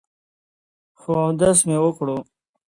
خو اودس مې وکړو ـ